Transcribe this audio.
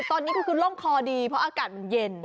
เด็กตอนนี้คือล่มคอดีเพราะอากาศมันเย็น